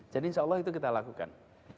jadi insya allah itu kita lakukan